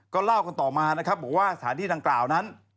ก็เล่ากันต่อมานะครับบอกว่าสถานที่ดังกล่าวนั้น